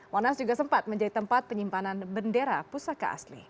monas juga sempat menjadi tempat penyimpanan bendera pusaka asli